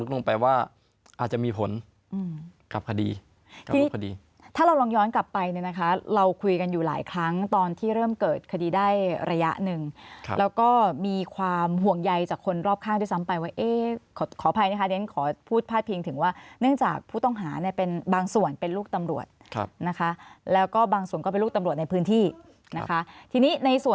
ลงไปว่าอาจจะมีผลกับคดีถ้าเราลองย้อนกลับไปเนี่ยนะคะเราคุยกันอยู่หลายครั้งตอนที่เริ่มเกิดคดีได้ระยะหนึ่งแล้วก็มีความห่วงใยจากคนรอบข้างด้วยซ้ำไปว่าเอ๊ะขออภัยนะคะเดี๋ยวฉันขอพูดพาดพิงถึงว่าเนื่องจากผู้ต้องหาเนี่ยเป็นบางส่วนเป็นลูกตำรวจนะคะแล้วก็บางส่วนก็เป็นลูกตำรวจในพื้นที่นะคะทีนี้ในส่วน